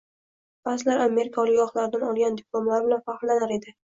Baʼzilar Amerika oliygohlaridan olgan diplomlari bilan faxrlanar edi.